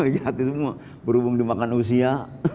jati semua berhubung dimakan usia